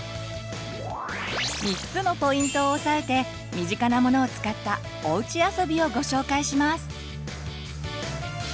３つのポイントを押さえて身近なものを使ったおうちあそびをご紹介します。